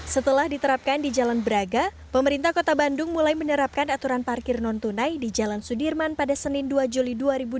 setelah diterapkan di jalan braga pemerintah kota bandung mulai menerapkan aturan parkir non tunai di jalan sudirman pada senin dua juli dua ribu dua puluh